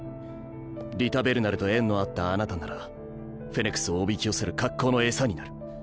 リタ・ベルナルと縁のあったあなたならフェネクスをおびき寄せる格好の餌になる。